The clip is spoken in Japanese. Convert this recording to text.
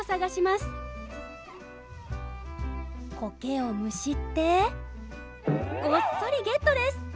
コケをむしってごっそりゲットです。